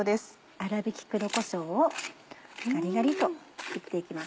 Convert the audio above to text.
粗びき黒こしょうをガリガリと振って行きます。